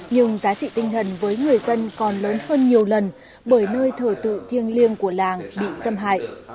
nhưng giá trị tinh thần với người dân còn lớn hơn nhiều lần bởi nơi thờ tự thiêng liêng của làng bị xâm hại